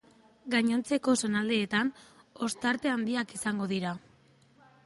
Gainontzeko zonaldeetan ostarte handiak izango dira.